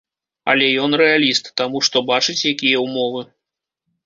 Але ён рэаліст, таму што бачыць, якія ўмовы.